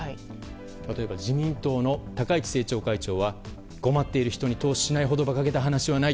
例えば自民党の高市政調会長は困っている人に投資しないほど馬鹿げた話はない。